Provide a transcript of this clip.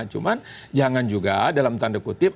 cuman jangan juga dalam tanda kutip